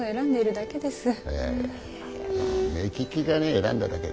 目利きがね選んだだけ。